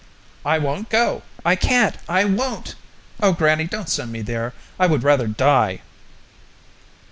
I won't go! I can't! I won't! Oh, grannie, don't send me there I would rather die."